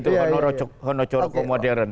jangan sampai terjadi itu hono choroko modern